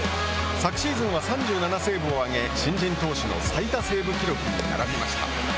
昨シーズンは３７セーブを挙げ新人投手の最多セーブ記録に並びました。